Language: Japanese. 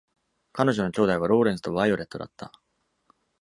彼女の兄弟はローレンスとバイオレットだった。